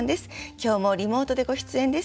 今日もリモートでご出演です。